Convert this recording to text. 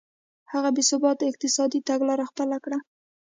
هغه بې ثباته اقتصادي تګلاره خپله کړه.